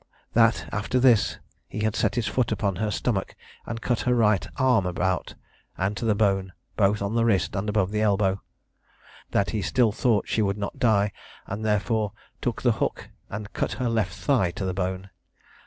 That, after this, he set his foot upon her stomach, and cut her right arm round about, and to the bone, both on the wrist and above the elbow. That he still thought she would not die, and therefore took the hook and cut her left thigh to the bone.